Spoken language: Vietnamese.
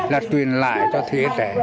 là truyền lại cho thế giới trẻ